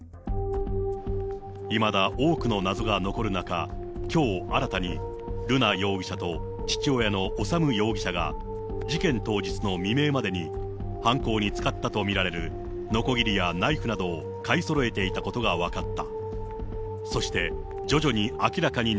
いまだ多くの謎が残る中、きょう新たに、瑠奈容疑者と父親の修容疑者が、事件当日の未明までに犯行に使ったと見られるのこぎりやナイフなどを買いそろえていたことが分かった。